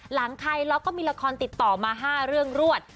หลังไทยแล้วก็มีละครติดต่อมา๕เรื่องรวด